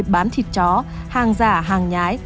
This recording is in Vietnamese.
bán thịt chó hàng giả hàng nhái